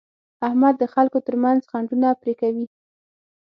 احمد د خلکو ترمنځ خنډونه پرې کوي.